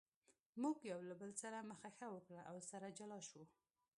موږ یو له بل سره مخه ښه وکړه او سره جلا شوو.